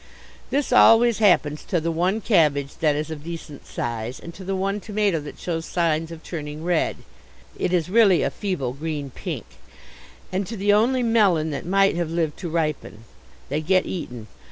This always happens to the one cabbage that is of decent size, and to the one tomato that shows signs of turning red (it is really a feeble green pink), and to the only melon that might have lived to ripen. They get eaten.